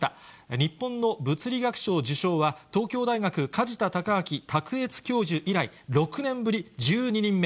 日本の物理学賞受賞は、東京大学、梶田隆章卓越教授以来、６年ぶり１２人目。